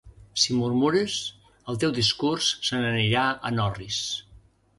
Si murmures, el teu discurs se n'anirà en orris.